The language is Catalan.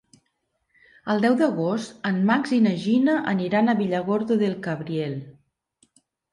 El deu d'agost en Max i na Gina aniran a Villargordo del Cabriel.